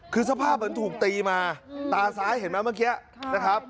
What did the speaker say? คือสภาพเหมือนถูกตีมาตาซ้ายเห็นไหมเมื่อกี้นะครับ